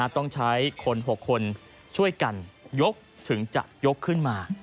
ต้องใช้คน๖คนช่วยกันยกถึงจะยกขึ้นมา